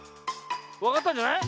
わかったんじゃない？